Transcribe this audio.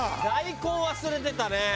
大根忘れてたね！